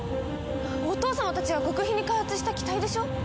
お父様たちが極秘に開発した機体でしょ？